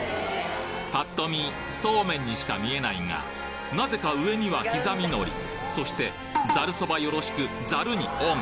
パッと見そうめんにしか見えないがなぜか上には刻みのりそしてざるそばよろしくざるにオン！